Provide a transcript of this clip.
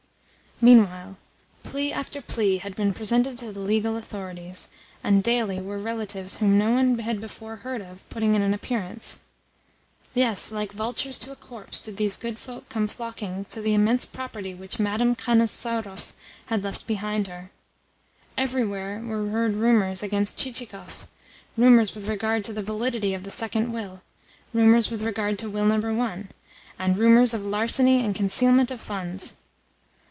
Meanwhile, plea after plea had been presented to the legal authorities, and daily were relatives whom no one had before heard of putting in an appearance. Yes, like vultures to a corpse did these good folk come flocking to the immense property which Madam Khanasarov had left behind her. Everywhere were heard rumours against Chichikov, rumours with regard to the validity of the second will, rumours with regard to will number one, and rumours of larceny and concealment of funds.